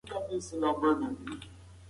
کندهارى